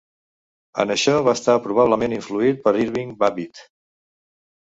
En això va estar probablement influït per Irving Babbitt.